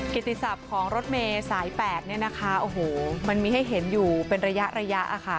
กิจติศัพท์ของรถเมสายแปดเนี่ยนะคะมันมีให้เห็นอยู่เป็นระยะ